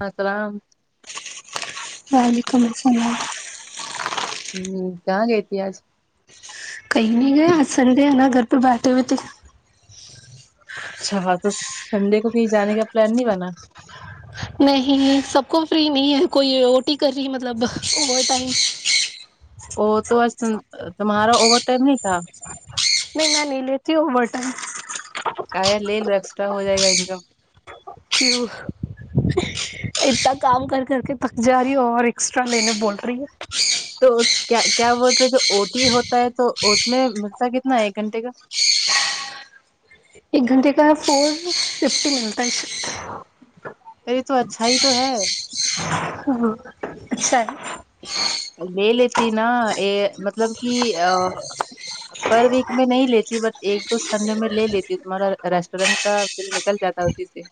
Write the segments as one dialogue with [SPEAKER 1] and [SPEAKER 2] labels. [SPEAKER 1] اہ سلام
[SPEAKER 2] وعلیکم السلام
[SPEAKER 1] ہوں کہاں گئےتھی آج
[SPEAKER 2] کہیں نہیں گئے آج سنڈے ہے نا گھر پر بیٹھے ہوئے تھ
[SPEAKER 1] اچھا ہاں تو سنڈے کو کہیں جانے کا پلان نہیں بناا
[SPEAKER 2] نہیں سب کو فری نہیں ہے کوئی اوٹی کر رہی مطلب اوور ٹائم
[SPEAKER 1] وہ تو آ تمہارا اوور ٹائم نہیں تھا
[SPEAKER 2] نہیں میں نہیں لیتی ہو بٹ
[SPEAKER 1] ایکسٹرا ہو جائے گا انکم
[SPEAKER 2] کیوں اتنا کام کر کر کے تھک جا رہی ہ اور اسٹرا لینے بول رہی ہے
[SPEAKER 1] تو کیا کیا بولتے جو اوٹی ہوتا ہے تو اس میں میلتا کتنا ہے ایک گھنٹے کا
[SPEAKER 2] ایک گھنٹیے کا فور ففٹی ملتا
[SPEAKER 1] اے تو اچھا ہی تو ہے
[SPEAKER 2] ہاں اچھا
[SPEAKER 1] لے لیتی نا یہ مطلب کہ ا پر ویک میں نہیں لیتی بٹ ایک دو سنڈے میں لے لیتی ہوں تمہارا ریسٹورینٹ کا بیل نکل جاتا ہے اسی سے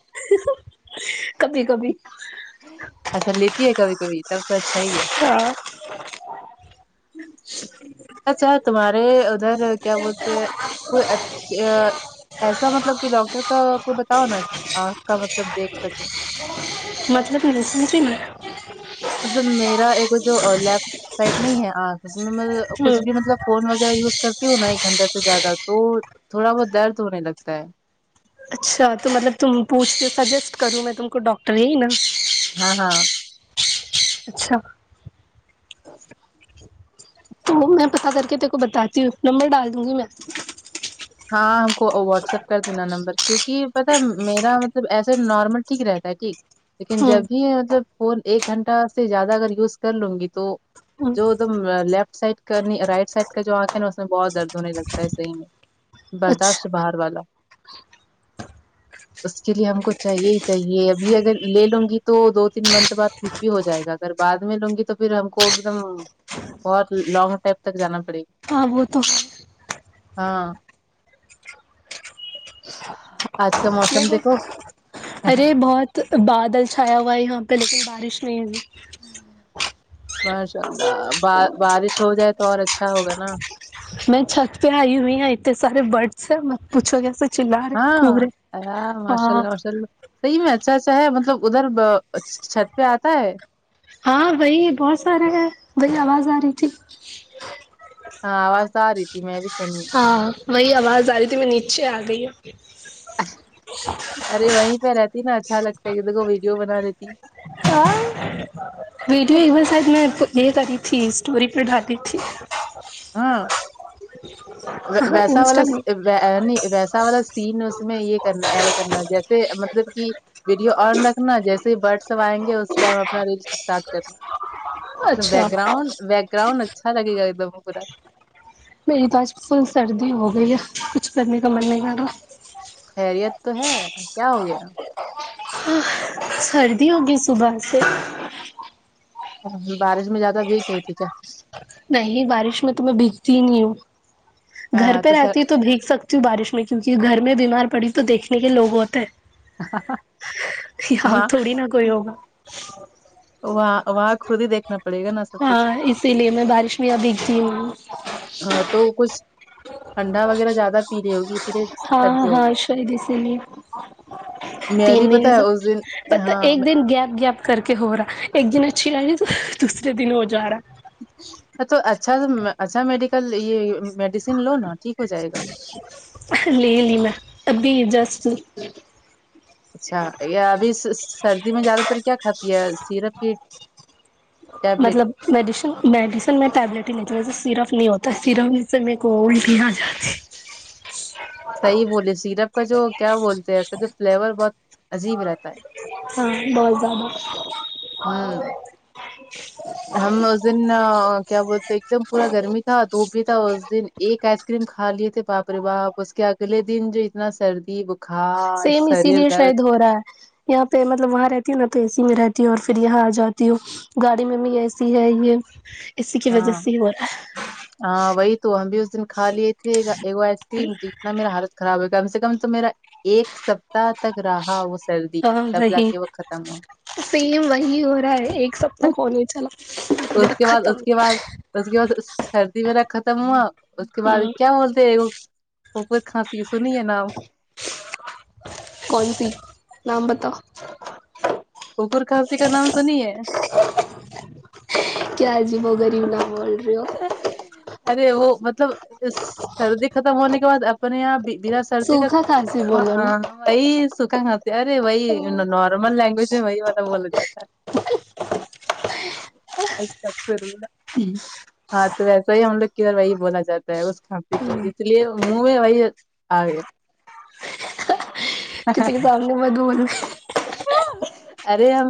[SPEAKER 2] کبھی کبھی
[SPEAKER 1] اچھا لیتی ہے کبھی کبھی تب تو اچھا ہی ہے
[SPEAKER 2] ہاں
[SPEAKER 1] اچھا تمہارے ادھر کیا بولتے کوئی اچھا ایسا مطلب کہ ڈاکٹر کا کوئی بتاؤ نا کہ آنکھ کا مطلب دیکھ سکے
[SPEAKER 2] مطلب [unintelligible]
[SPEAKER 1] مطلب میرا ایک جو لیفٹ سائڈ نہیں ہے انکھ میں
[SPEAKER 2] ہوں
[SPEAKER 1] کچھ بھی مطلب فون وغیرہ یوز کرتی ہو نا ایک گھنٹہ سے زیادہ تو تھوڑا بہت درد ہونے لگتا ہے
[SPEAKER 2] اچھا تو مطلب تم پوچھ سجیسٹ کروں میں تم کو ڈاکٹری ہی نا
[SPEAKER 1] ہاں ہاں
[SPEAKER 2] اچھا تو میں پتاہ کر کے تیرے کو بتاتی ہوں نمبر ڈال دونگی میسج
[SPEAKER 1] ہاں ہم کو واٹس ایپ کر دینا نمبر کیونکی پتاہ میرا مطلب ایس نارمل ٹھیک رہتا ہے ٹھیک لیکن جب
[SPEAKER 2] ہوں
[SPEAKER 1] بھی مطلب فون ایک گھنٹہ سے زیادہ اگر یوز کر لوں گی تو
[SPEAKER 2] ہوں
[SPEAKER 1] جو تم لیفٹ سائڈ کا رائٹ سائڈ کا جو آنکھ ہے نا اس میں بہت درد ہونے لگتا ہے صحیح میں برداشت
[SPEAKER 2] اچھا
[SPEAKER 1] باہر والا اس کے لیے ہم کو چاہیے ہی چاہیے ابھی اگر لےلونگی تو دو تین منتھ بعد بھی ہو جائے گا اگر بعد میں لونگی تو پھر ہم کو ایک دم بہت لانگ ٹائپ تک جانا پڑے گا
[SPEAKER 2] آب تو
[SPEAKER 1] ہاں آج کا موسم دیکھو
[SPEAKER 2] ارے بہت بادل چھایا ہوا ہے یہاں پہ لیکن بارش نہیں ہوری ہے
[SPEAKER 1] ماشاء اللہ بارش ہو جائے تو اور اچھا ہوگا نا
[SPEAKER 2] میں چھت پہ آئی ہوئی ہے اتنے سارے بارڈس ہیں پوچھو کیسے چلا رہے پورے
[SPEAKER 1] ہاں ماشاء
[SPEAKER 2] ہاں
[SPEAKER 1] اللہ ماشاء اللہ صحیح میں اچھا اچھا ہے مطلب ادھر چھت پہ آتا ہے
[SPEAKER 2] ہاں وہی بہت سارے ہیں وہی آواز آ رہی تھی
[SPEAKER 1] ہاں آواز تو آ رہی تھی میں بھی سنی
[SPEAKER 2] ہاں وہی آواز آ رہی تھی میں نیچے آ گئی
[SPEAKER 1] ارے وہیں پہ رہتی نا اچھا لگتا ہے یہ دیکھو ویڈیو بناری تھی
[SPEAKER 2] [unintelligible] یہ کری تھی اسٹوری پہ ڈالی تھی
[SPEAKER 1] ہاں
[SPEAKER 2] ہاں
[SPEAKER 1] ویسا
[SPEAKER 2] انسٹا
[SPEAKER 1] والا
[SPEAKER 2] میں
[SPEAKER 1] نہیں ویسا والا سین اس میں یہ کرنا ایڈ کرنا جیسے مطلب کہ ویڈیو آن رکھنا جیسے ہی برڈ سب آئیں گے اس ٹائم اپنا ریل اسٹارٹ کرنا بیک
[SPEAKER 2] اچھا
[SPEAKER 1] گراؤنڈ بیک گراؤنڈ اچھا لگے گا ایک دم پورا
[SPEAKER 2] میری پاس فلل سردی ہو گئی ہے کچھ کرنے کا من نہیں کر رہا
[SPEAKER 1] خیریت تو ہے کیا ہو گیا
[SPEAKER 2] ہاں سردی ہو گئی صبح سے
[SPEAKER 1] بارش میں زیادہ بھییک گئی تھی کیا
[SPEAKER 2] نہیں بارش میں تو میں بھیگتی نہیں ہوں گھر
[SPEAKER 1] ہاں
[SPEAKER 2] پہ
[SPEAKER 1] سر
[SPEAKER 2] رہتی تو بھیگ سکتی ہوں بارش میں کیونکہ گھر میں بیمار پڑی تو دیکھنے کے لوگ ہوتے ہیں یاں
[SPEAKER 1] وہاں
[SPEAKER 2] تھوڑی نہا کوئی ہوگا
[SPEAKER 1] وہاں وہاں خود ہی دیکھ
[SPEAKER 2] ہاں اسی لیے میں بارش میں ادھتی ہوں
[SPEAKER 1] ہاں تو کچھ ٹنڈا وغیرہ زیادہ پیلی ہوگی اسی لیے
[SPEAKER 2] ہاں
[SPEAKER 1] سردی ہو
[SPEAKER 2] ہاں
[SPEAKER 1] گیا
[SPEAKER 2] شاید اسی لیے
[SPEAKER 1] میں بھی
[SPEAKER 2] تین دن
[SPEAKER 1] پتا ہے اس دن
[SPEAKER 2] ب
[SPEAKER 1] ہاں
[SPEAKER 2] ایک
[SPEAKER 1] میں-
[SPEAKER 2] دن گیپ گپ کر کے ہو رہا ایک دن اچھی رہے راہی دوسرے دن ہو جا رہا
[SPEAKER 1] ا تو اچھا اچھا میڈیکل یہ میڈیسین لو نا ٹھیک ہو جائے گا
[SPEAKER 2] لے لی میں ابھی جسٹ
[SPEAKER 1] اچھا ابھی سردی میں زیادہ تر کیا کھاتی ہے سیرپ کی ٹیبلیٹ
[SPEAKER 2] مطلب میڈیس میڈیسن میں ٹیبلیٹ ہی نہیں ویسے سیرپ نہیں ہوتا سیرپ سے میں کو اٹی جاتی ہیں
[SPEAKER 1] صحیح بولے سیرپ کا جو کیا بولتے ہیں ایسے تو فلیور بہت عجیب رہتا ہے
[SPEAKER 2] ہاں بہت زیادہ
[SPEAKER 1] ہوں ہم اس دن کیا بولتے ایک دم پورا گرمی تھا دھوپ بھی تھا اس دن ایک ایسا کریم کھا لیے تھے باپ رے باپ اس کے اگلے دن جو اتنا سردی وہ
[SPEAKER 2] سیم اسی لیے شاید ہو رہا ہیں یہاں پہ مطلب وہاں رہتی ہوں نا تو اے سی میں رہتی ہوں اور پھر یہاں ا جاتی ہوں گاڑی میں بھی ایسی ہے یہ اسی کی وجہ
[SPEAKER 1] ہاں
[SPEAKER 2] سے یہ ہو رہا ہیں
[SPEAKER 1] ہاں وہی تو ہم بھی اس دن کا لیے تھے ایک ائس کریم جتنا میرا حالت خراب ہے کم سے کم تو میرا ایک سستا تک رہا وہ سردی
[SPEAKER 2] ہے ہاں
[SPEAKER 1] تب جا
[SPEAKER 2] وہی
[SPEAKER 1] کے وہ ختم ہو
[SPEAKER 2] سیم وہی ہو رہا ہے ایک سپت کونے چلا اا
[SPEAKER 1] اس کے بعد
[SPEAKER 2] ختم
[SPEAKER 1] اس کے بعد اس کے بعد سردی میرا ختم ہوا اس کے بعد
[SPEAKER 2] نہیں
[SPEAKER 1] کیا بولتے وہکت کھسی سنیے نام
[SPEAKER 2] کون سی نام بتاؤ
[SPEAKER 1] اکر کھانسی کا نام تو نہیں ہیں
[SPEAKER 2] کیا جی وہ غریب نام بول رہے ہو
[SPEAKER 1] ارے وہ مطلب سردی ختم ہونے کے بعد اپنے یہاں بنا سردی کا
[SPEAKER 2] سوکھا کھانسی
[SPEAKER 1] ک
[SPEAKER 2] بولو
[SPEAKER 1] وہی سکھا کھاتے ارے وہی
[SPEAKER 2] نا
[SPEAKER 1] نارمل لینگویج میں وہی مطلب بولا جاتا ہیں استقفر اللہ ہاں تو ویسا ہی ہم لوگ کی ادھر وہی بولا جاتا ہے اس کھانسی کو اس لیے موو وی اگ
[SPEAKER 2] کسی کے سامنے میں دول
[SPEAKER 1] ارے ہم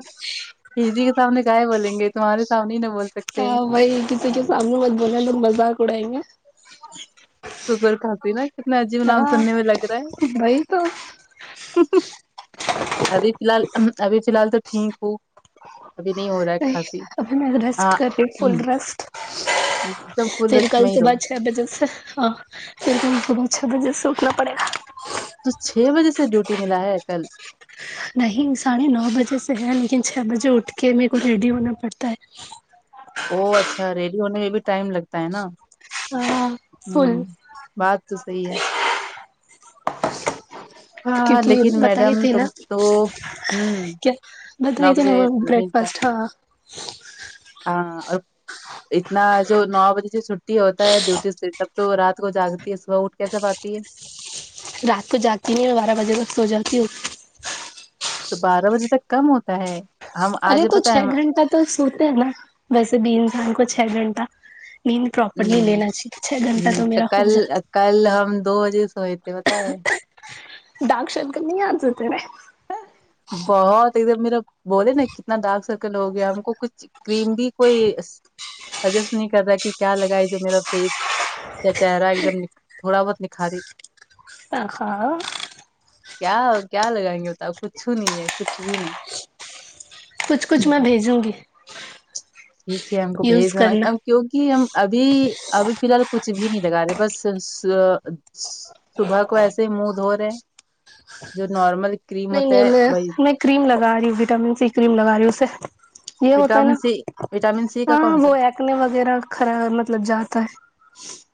[SPEAKER 1] ہ جی کے سامنے کہئے بولیں گے تمہارے سامنے ہی نہیں بول سکتے
[SPEAKER 2] ہاں
[SPEAKER 1] ہیں
[SPEAKER 2] وہی کسی کے سامنے مت بوولے لوگ مذاق اڑائیں گے
[SPEAKER 1] ککر کھاتی نا کتنا عجیب نام
[SPEAKER 2] ہاں
[SPEAKER 1] سننے میں لگ رہا ہیں
[SPEAKER 2] وہی تو
[SPEAKER 1] ابھی فی الحال ابھی فی الحال تو ٹھیک ہو ابھی رہا ہے
[SPEAKER 2] نہیں
[SPEAKER 1] کھانسی
[SPEAKER 2] ابھی میں ریسٹ
[SPEAKER 1] ہاں
[SPEAKER 2] کر رہی فل ریسٹ
[SPEAKER 1] ایک دم فل
[SPEAKER 2] پھر
[SPEAKER 1] ریسٹ
[SPEAKER 2] کل
[SPEAKER 1] میں ہی رہو
[SPEAKER 2] صبح چھ بجے سے ہاں کیونکہ ان صبح چھ بجے سے اٹنا پڑے گا
[SPEAKER 1] تو چھ بجے سے ڈیوٹی ملا ہے کل
[SPEAKER 2] نہیں ساڑھے نو بجے سے ہے لیکن چھ بجے اٹھ کے میرے کو ریڈی ہونا پڑتا ہیں
[SPEAKER 1] او اچھا ریڈی ہونے میں بھی ٹائم لگتا ہے نا
[SPEAKER 2] ہے ہاں فل
[SPEAKER 1] ہوں بات تو صحیح ہے ہاں آ
[SPEAKER 2] کیونکہ
[SPEAKER 1] لیکن میڈم
[SPEAKER 2] بتائی تھی
[SPEAKER 1] تم
[SPEAKER 2] نا
[SPEAKER 1] تو ہوں
[SPEAKER 2] کیا
[SPEAKER 1] نو
[SPEAKER 2] بتائی تھی نا
[SPEAKER 1] بجے
[SPEAKER 2] وہ بریک
[SPEAKER 1] ملتا ہے
[SPEAKER 2] فاسٹ ہاں
[SPEAKER 1] ہاں اور اتنا جو نو بجے چھٹی ہوتا ہے ڈیوٹی سے تب تو رات کو جاگتی ہے صبح اٹھ کیسے پاتی ہے
[SPEAKER 2] رات کو جاگتی نہیں بارہ بجے تک سو جاتی ہوں
[SPEAKER 1] تو بارہ بجے تک کم ہوتا ہے ہم
[SPEAKER 2] ارے
[SPEAKER 1] آج
[SPEAKER 2] تو
[SPEAKER 1] پتہ ہے ہم
[SPEAKER 2] چھ گھنٹہ تو سوتے ہیں نا ویسے بھی انسان کو چھ گھنٹہ نیند پراپرلی
[SPEAKER 1] ہم،
[SPEAKER 2] لینا چاہیے چھ گھنٹہ
[SPEAKER 1] ہم،
[SPEAKER 2] تو میرا ہو
[SPEAKER 1] کل
[SPEAKER 2] جاتا
[SPEAKER 1] کل ہم دو بجے سوئے تھے پتہ ہے
[SPEAKER 2] ڈاکشرکل کر نہیں آ تے تمہیں
[SPEAKER 1] بہت ایک دم میرا بولے نا کتنا ڈارک سرکل ہو گیا ہم کو کچھ کریم بھی کوئی سجیس نہیں کر رہا کہ کیا لگا ہے جو میرا فیس چہرہ ایک دم تھوڑا بہت نکھاری
[SPEAKER 2] [unintelligible]
[SPEAKER 1] کیا کیا لگائیں گے ہوتا کچھ نہیں ہے کچھ بھی نہیں
[SPEAKER 2] کچھ کچھ میں بھیجوں گی
[SPEAKER 1] ٹھیک ہے ہم کو بھیج
[SPEAKER 2] یوز
[SPEAKER 1] دینا
[SPEAKER 2] کرنا
[SPEAKER 1] کیونکہ ہم ابھی ابھی فی الحال کچھ بھی نہیں لگا رہے بس سو سو صبح کو ایسے ہی منہ دھو رہے جو نارمل کریم
[SPEAKER 2] نہیں
[SPEAKER 1] ہوتا
[SPEAKER 2] نہیں
[SPEAKER 1] ہے
[SPEAKER 2] میں
[SPEAKER 1] وہی
[SPEAKER 2] میں کریم لگا رہی ہوں وٹامن سی کریم لگا رہی ہوں اسںے یہ ہوتا ہے
[SPEAKER 1] وٹامن
[SPEAKER 2] نا
[SPEAKER 1] سی وٹامن سی کا
[SPEAKER 2] ہاں
[SPEAKER 1] کون سا
[SPEAKER 2] وہ ہے ایکنے وغیرہ کھرا مطلب جاتا ہے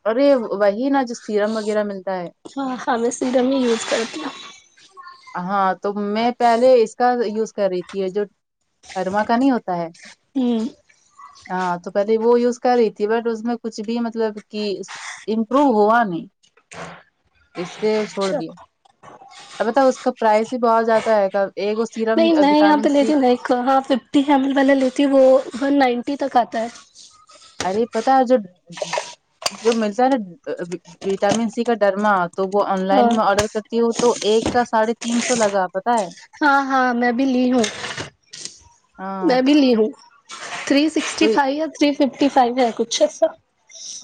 [SPEAKER 1] اور یہ وہی نا جو سیرم وغیرہ ملتا ہے
[SPEAKER 2] ہاں ہاں میں سیرم ہی یوز کرتی ہوں
[SPEAKER 1] ہاں تو میں پہلے اس کا یوز کر رہی تھی جو ارما کا نہیں ہوتا ہے
[SPEAKER 2] ہوں
[SPEAKER 1] ہاں تو پہلے وہ یوز کر رہی تھی بٹ اس میں کچھ بھی مطلب کہ امپروو ہوا نہیں اس سے چھوڑ
[SPEAKER 2] اچھا
[SPEAKER 1] دیا البتہ اس کا پرائز بھی بہت زیادہ آئے گا ایک وہ سیرم وٹامن سی
[SPEAKER 2] کہاں ففٹی ایم ایل والا لیتی وہ ون نائنٹی تک آتا ہے
[SPEAKER 1] ارے پتا جو جو ملتا ہے نا وٹامن سی کا ڈرما تو وہ آن لائن
[SPEAKER 2] ہاں
[SPEAKER 1] میں آرڈر کرتی ہوں تو ایک کا ساڑھے تین سو لگا پتا ہے
[SPEAKER 2] ہاں ہاں میں بھی لی ہوں
[SPEAKER 1] ہاں
[SPEAKER 2] میں بھی لی ہوں تھری سکسٹی
[SPEAKER 1] تو
[SPEAKER 2] فائیو یا تھری فف فائیو ہے کچھ ایسا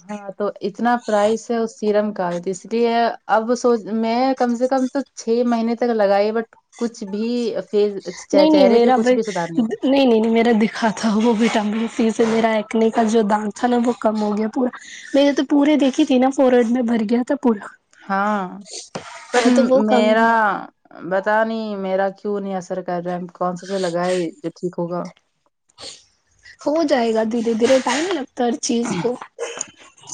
[SPEAKER 1] ہاں تو اتنا پرائس ہے اس سیرم کا اس لیے اب سو میں کم سے کم تو چھ مہینے تک لگائی بٹ کچھ بھی فیز
[SPEAKER 2] نہیں نہیں
[SPEAKER 1] چہرے پہ
[SPEAKER 2] میرا
[SPEAKER 1] کچھ
[SPEAKER 2] بھائی
[SPEAKER 1] بھی سدھارنے نہیں ہوا
[SPEAKER 2] نہیں نہیں نہیں میرا دکھا تھا وہ وٹامن سی سے میرا اکنے کا جو داغ تھا نا وہ کم ہو گیا پورا میں نے تو پورے دیکھی تھی نا فور ہیڈ میں بھر گیا تھا پورا
[SPEAKER 1] ہاں پر
[SPEAKER 2] ہاں تو وہ کم
[SPEAKER 1] میرا
[SPEAKER 2] ہوا
[SPEAKER 1] پتا نہیں میرا کیوں نہیں اثر کر رہا ہے کون سا جو لگائے جو ٹھیک ہوگا
[SPEAKER 2] ہو جائے گا دھیرے دھیرے ٹائم لگتا ہے ہر چیز کو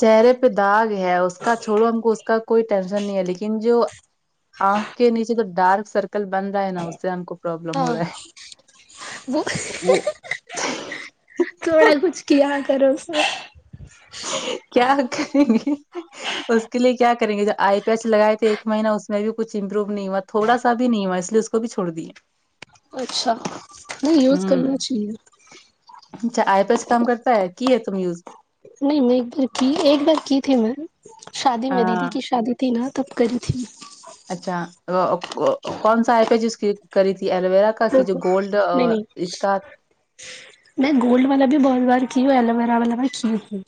[SPEAKER 1] چہرے پہ داغ ہے اس کا چھوڑو ہم کو اس کا کوئی ٹینشن نہیں ہے لیکن جو آنکھ کے نیچے تو ڈارک سرکل بن رہا ہے نا اس سے ہم کو
[SPEAKER 2] [inaudible]
[SPEAKER 1] پرابلم ہو
[SPEAKER 2] ہاں
[SPEAKER 1] رہا ہے
[SPEAKER 2] وہ
[SPEAKER 1] وہ
[SPEAKER 2] تھوڑا کچھ کیا کرو
[SPEAKER 1] کیا کریں گے اس کے لیے کیا کریں گے جب آے پیسے لگائے تھے ایک مہینہ اس میں بھی کچھ امپروو نہیں ہوا تھوڑا سا بھی نہیں ہوا اس لیے اس کو بھی چهو ڑ دئے
[SPEAKER 2] اچھا نہیں یوز
[SPEAKER 1] ہوں
[SPEAKER 2] کرنا چاہیے
[SPEAKER 1] اچھا آئی پیس کام کرتا ہے کئے تم یوز
[SPEAKER 2] نہیں میں ایک بار کی ایک بار کی تھی میں شادی میں دیدی
[SPEAKER 1] ہاں
[SPEAKER 2] کی شادی تھی نہ تب کری تھی میں
[SPEAKER 1] اچھاک کون سا آئ پیج یوز کری تھی ایلوویرا کا کا
[SPEAKER 2] میں
[SPEAKER 1] کہ جو گولڈ
[SPEAKER 2] نہیں نہیں
[SPEAKER 1] اس کا
[SPEAKER 2] میں گولڈ والا بھی بہت بار کی ہوں ایلویرا والا بھی کی ہوں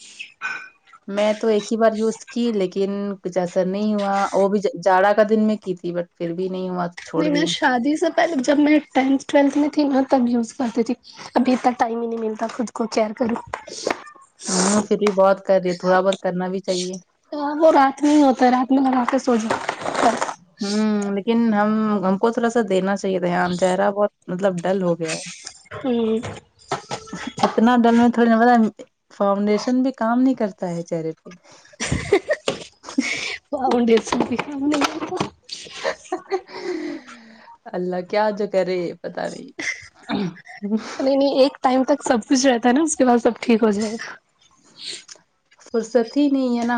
[SPEAKER 1] میں تو ایک ہی بار یوز کی لیکن کچھ ایسا نہیں ہوا وہ بھی جاڑا کا دن میں کی تھی بٹ پھر بھی نہیں ہوا چھوڑ
[SPEAKER 2] نہیں میں
[SPEAKER 1] دیے
[SPEAKER 2] شادی سے پہلے جب میں ٹینتھ ٹویلتھ میں تھی نہ تب یوز کرتی تھی ابھی تک ٹائم ہی نہیں ملتا خود کو کیئر کروں
[SPEAKER 1] ہوں فر بھی بہت کررہی تھوڑا بہت کرنا بھی چاہیے
[SPEAKER 2] وہ رات میں ہی ہوتا ہے رات میں لگا کے سوجاؤ
[SPEAKER 1] ہمم لیکن ہم ہم کو تھوڑا سا دینا چاہئے تھا یہ ہم چہرہ بہت مطلب ڈل ہو گیا ہے
[SPEAKER 2] ہمم
[SPEAKER 1] اتنا ڈل میں تھوڑی نہ فاؤنڈیشن بھی کام نہیں کرتے تا ہے چہرے پے
[SPEAKER 2] فاؤنڈیسن بھی کام نہیں کرتا
[SPEAKER 1] اللہ کیاجوکرہے پتہ نہیں
[SPEAKER 2] نہیں نہیں ایک ٹائم تک سب کچھ رہتا ہے نہ اس کے بعد سب ٹھیک ہو جائے گا
[SPEAKER 1] فرصت ہی نہیں ہے نہ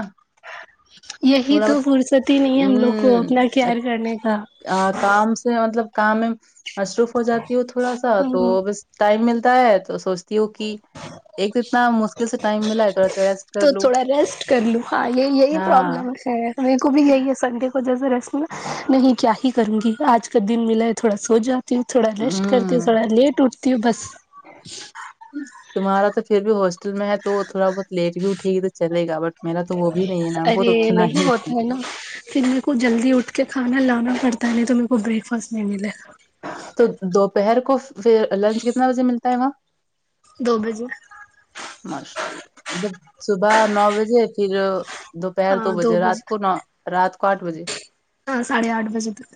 [SPEAKER 2] یہی تو فرصت ہی نہیں ہے ہم لوگ کو اپنا کیئر کرنے کا
[SPEAKER 1] ہاں کام سے مطلب کام میں مصروف ہو جاتی ہو تھوڑا سا تو
[SPEAKER 2] ہاں
[SPEAKER 1] بس ٹائم ملتا ہے تو سوچتی ہوں کہ ایک تو اتنا مشکل سے ٹائم ملا ہے تھوڑا سا ریسٹ کر
[SPEAKER 2] تو
[SPEAKER 1] لوں
[SPEAKER 2] تھوڑا ریسٹ کر
[SPEAKER 1] ہاں
[SPEAKER 2] میکو بھی یہی ہے سنڈے کو جیسا ہی ریسٹ نہیں کیا ہی کروں گی آج کا دن ملا ہے تھوڑا سو جاؤ ں تی ہوں تھوڑا ریسٹ کرتی ہوں تھوڑا لیٹ اٹھتی ہوں بس
[SPEAKER 1] تمہارا تو پھر بھی ہاسٹل میں ہے تو تھوڑا بہت لیٹ بھی اٹھے گی تو چلے گا بٹ میرا تو وہ بھی نہیں ہے نا وہ تو
[SPEAKER 2] ارے
[SPEAKER 1] اٹھنا
[SPEAKER 2] نہیں
[SPEAKER 1] ہی
[SPEAKER 2] ہوتا ہے نہ
[SPEAKER 1] اٹھنا
[SPEAKER 2] پھر میرے کو جلدی اٹھ کے کھانا لانا پڑتا ہے نہیں تو میرے کو بریک فاسٹ نہیں ملے گا
[SPEAKER 1] تو دوپہر کو فر لنچ کتنا بجے ملتا ہے وہاں
[SPEAKER 2] دو بجے
[SPEAKER 1] ماشاء اللہ مطلب صبح نو بجے پھر دوپہر دو بجے رات کونہ رات کو آٹھ بجے
[SPEAKER 2] ہاں ساڈ ھے آٹھ بجے تک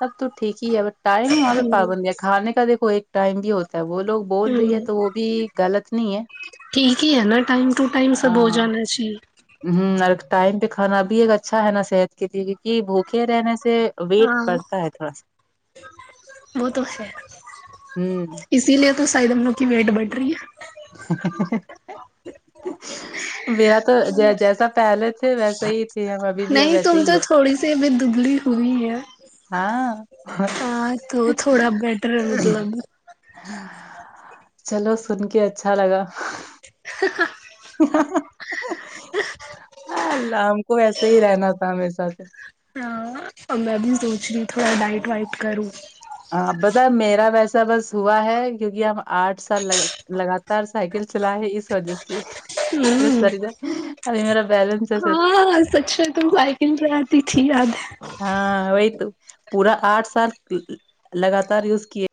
[SPEAKER 1] سب تو ٹھیک ہی ہے ب ٹائم وہاں پہ
[SPEAKER 2] ہوں
[SPEAKER 1] پابندی ہے کھانے کا دیکھو ایک ٹائم بھی ہوتا ہے وہ لوگ بول رہی ہے
[SPEAKER 2] ہوں
[SPEAKER 1] تو وہ بھی غلط نہیں ہے
[SPEAKER 2] ٹھیک ہی ہے نہ ٹائم ٹو ٹائم سب ہو جانا چاہیے
[SPEAKER 1] ہمم اور ٹائم پہ کھانا بھی ایک اچھا ہے نہ صحت کے لیے کہ بھوکے رہنے سے ویٹ
[SPEAKER 2] ہاں
[SPEAKER 1] بڑھتا ہے تھوڑا سا
[SPEAKER 2] وہ تو ہے
[SPEAKER 1] ہوں
[SPEAKER 2] اسی لیے تو شاید ہم لوگ کی ویٹ بڑھ رہی ہے
[SPEAKER 1] میرا تو جیسا پہلے ویسا ہی تھے ہم ابھی بھی
[SPEAKER 2] نہیں
[SPEAKER 1] ویسے
[SPEAKER 2] تم
[SPEAKER 1] ہی
[SPEAKER 2] تو
[SPEAKER 1] ہے
[SPEAKER 2] تھوڑی سی بھی دبلی ہوئی ہے
[SPEAKER 1] ہاں
[SPEAKER 2] ہاں تو تھوڑا بیٹر ہے مطلب
[SPEAKER 1] چلو سن کے اچھا لگا [inaudible] اللہ ہم کو ایسے ہی رہنا تھا میرے ساتھ
[SPEAKER 2] ہ میں بھی سوچ رہی تھوڑا ڈائٹ وائٹ کروں
[SPEAKER 1] ہ بت میرا ویسا بس ہوا ہے کیونکہ ہم آٹھ سال لگ لگاتار سائیکل چلا ہے اس وجہ سے س
[SPEAKER 2] ہ
[SPEAKER 1] ردا میرا بالنس سر
[SPEAKER 2] ہاں سچا تم بائکنگ بھی اتی تھی یاد ہے
[SPEAKER 1] ہاں وہی تو پورا آٹھ سال لگاتار یوز کیے